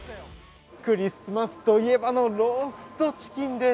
クリスマスといえばのローストチキンです。